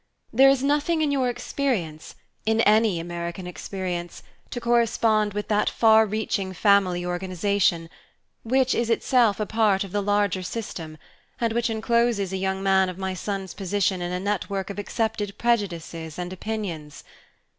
There is nothing in your experience in any American experience to correspond with that far reaching family organization, which is itself a part of the larger system, and which encloses a young man of my son's position in a network of accepted prejudices and opinions.